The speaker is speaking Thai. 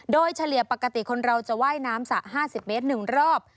โดยเฉลี่ยปกติคนเราจะว่ายน้ำสระ๕๐เมตร๑รอบ